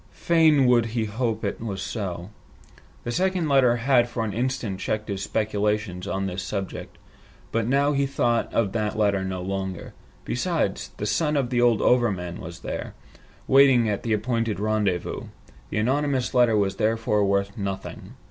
Fain would he hope it was so. The second letter had for an instant checked his speculations on this subject, but now he thought of that letter no longer. Besides, the son of the old overman was there, waiting at the appointed rendezvous. The anonymous letter was therefore worth nothing.